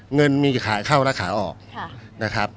เงินมีขาเข้าและขาออกนะครับ